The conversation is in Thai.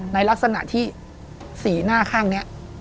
ในลักษณะที่สีหน้าข้างนี้